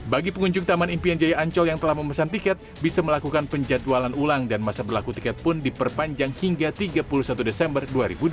bagi pengunjung taman impian jaya ancol yang telah memesan tiket bisa melakukan penjadwalan ulang dan masa berlaku tiket pun diperpanjang hingga tiga puluh satu desember dua ribu dua puluh